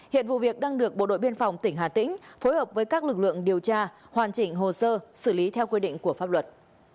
hiện vụ việc đang được bộ đội biên phòng tỉnh hà tĩnh phối hợp với các lực lượng điều tra hoàn chỉnh hồ sơ xử lý theo quy định của pháp luật